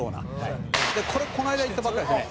「これこの間行ったばっかりですね」